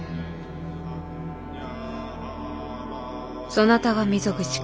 そなたが溝口か。